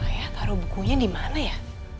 ayah taruh bukunya di mana ya